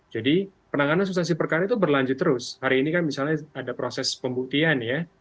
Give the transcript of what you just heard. jadi penanganan substansi perkara itu berlanjut terus hari ini kan misalnya ada proses pembuktian ya